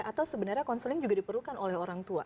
atau sebenarnya konseling juga diperlukan oleh orang tua